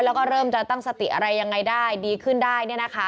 แล้วก็เริ่มจะตั้งสติอะไรยังไงได้ดีขึ้นได้